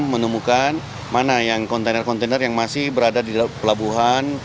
menemukan mana yang kontainer kontainer yang masih berada di pelabuhan